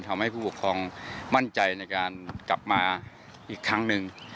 ทำให้ผู้ปกครองมั่นใจในการกลับมาอีกครั้งหนึ่ง